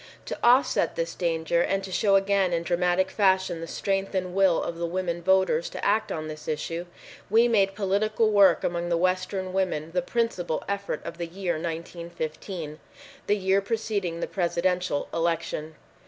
To offset this danger and to show again in dramatic fashion the strength and will of the women voters to act on this issue, we made political work among the western women the principal effort of the year 1915, the year preceding the presidential election.